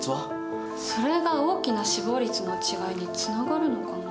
それが大きな死亡率の違いにつながるのかな。